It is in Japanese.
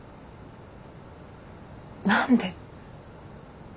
何で？